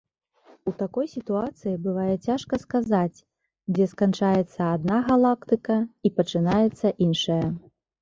У такой сітуацыі бывае цяжка сказаць, дзе сканчаецца адна галактыка і пачынаецца іншая.